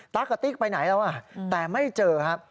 กับติ๊กไปไหนแล้วแต่ไม่เจอครับ